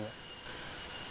kayak kopi terus durian nangka